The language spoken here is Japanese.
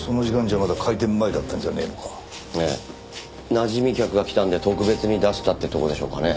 なじみ客が来たんで特別に出したってとこでしょうかね。